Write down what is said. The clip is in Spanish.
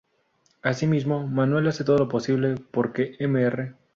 Así mismo, Manuel hace todo lo posible por que Mr.